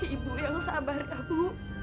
ibu yang sabar ya bu